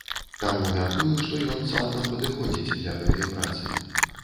Таму мяркую, што ён цалкам падыходзіць для гэтай працы.